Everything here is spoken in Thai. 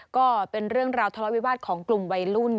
ก็เป็นเรื่องราวทะเลาวิวาสของกลุ่มวัยรุ่น